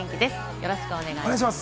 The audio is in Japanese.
よろしくお願いします。